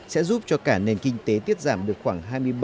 sẽ giúp cho cả nền kinh tế tiết giảm được khoảng